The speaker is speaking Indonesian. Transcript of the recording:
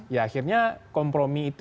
ya akhirnya kompromi itu